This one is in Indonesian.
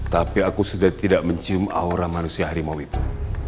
tapi aku sudah tidak mencium aura manusia harimau itu